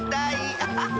アハハ！